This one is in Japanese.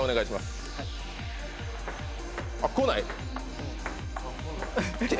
あ、来ない？